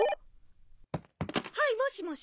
はいもしもし。